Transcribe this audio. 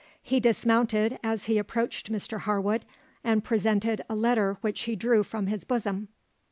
He dismounted as he approached Mr Harwood, and presented a letter which he drew from his bosom.